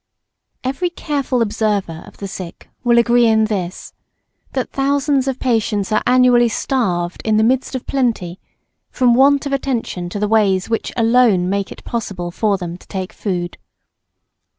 ] Every careful observer of the sick will agree in this that thousands of patients are annually starved in the midst of plenty, from want of attention to the ways which alone make it possible for them to take food.